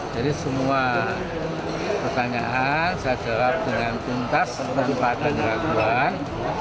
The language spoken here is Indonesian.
jadi semua pertanyaan saya jawab dengan tuntas berupa ada keraguan